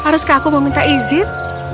haruskah aku meminta izin